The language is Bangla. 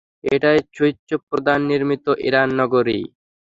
এটাই সুউচ্চ প্রাসাদ নির্মিত ইরাম নগরী।